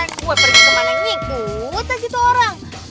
gue pergi kemana nyigut aja itu orang